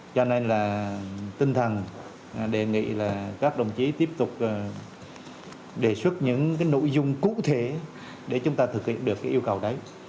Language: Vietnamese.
cho nên là tinh thần đề nghị là các đồng chí tiếp tục đề xuất những cái nội dung cụ thể để chúng ta thực hiện được cái yêu cầu đấy